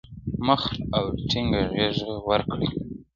مخ او ټينګه غېږه وركړي